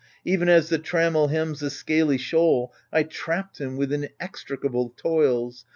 Even as the trammel hems the scaly shoal, I trapped him with inextricable toils.